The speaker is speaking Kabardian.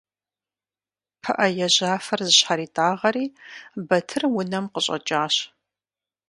ПыӀэ яжьафэр зыщхьэритӀагъэри Батыр унэм къыщӀэкӀащ.